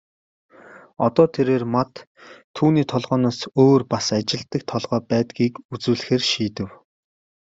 Одоо тэрээр Мад түүний толгойноос өөр бас ажилладаг толгой байдгийг үзүүлэхээр шийдэв.